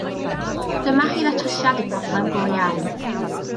Dyma chi ddatrysiad i broblem go iawn.